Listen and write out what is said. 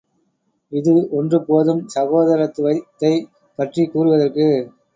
இது ஒன்று போதும் சகோதரத்துவத்தைப் பற்றிக் கூறுவதற்கு.